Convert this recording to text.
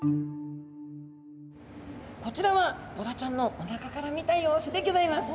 こちらはボラちゃんのおなかから見た様子でギョざいます！